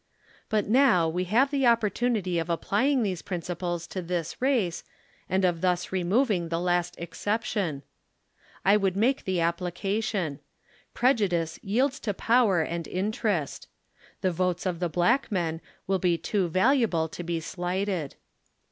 But now we have the oppor tunity of applying these principles to this rnce and of thus removing the last exception. I would make the applica tion. Prejudice yields to power and interest. The votes of the black men will be too valuable to be slighted.